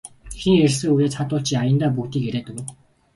Эхний ярилцлагын үеэр цаадуул чинь аяндаа бүгдийг яриад өгнө.